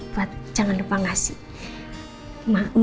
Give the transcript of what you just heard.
buat jangan lupa ngasih